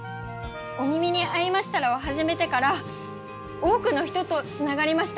『お耳に合いましたら。』を始めてから多くの人とつながりました。